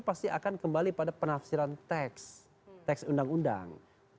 pasti akan kembali pada penafsiran teks teks undang undang